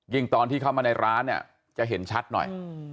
ตอนที่เข้ามาในร้านเนี่ยจะเห็นชัดหน่อย